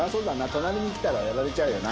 隣に来たらやられちゃうよな。